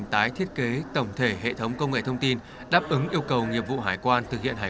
tái thiết kế tổng thể hệ thống công nghệ thông tin đáp ứng yêu cầu nghiệp vụ hải quan thực hiện hải